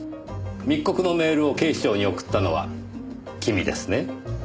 密告のメールを警視庁に送ったのは君ですね？